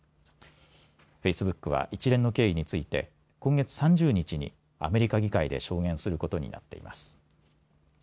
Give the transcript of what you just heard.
フェイスブックは一連の経緯について今月３０日にアメリカ議会で証言することになっています。